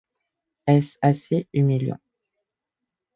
Est-ce assez humiliant